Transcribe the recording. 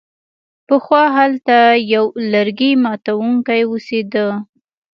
پخوا هلته یو لرګي ماتوونکی اوسیده.